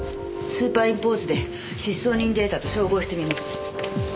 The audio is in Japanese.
スーパーインポーズで失踪人データと照合してみます。